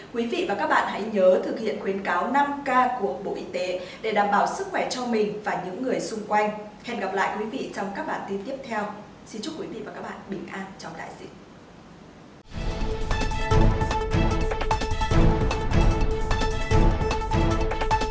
quý vị và các bạn bình an trong đại diện